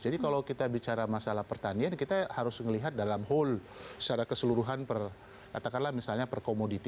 jadi kalau kita bicara masalah pertanian kita harus melihat dalam whole secara keseluruhan katakanlah misalnya perkomoditi